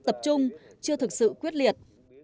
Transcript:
tập trung chưa thực sự quyết liệt